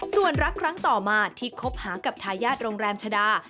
ส่วนรักครั้งต่อมาที่คบหากับทายาทโรงแรมชะดา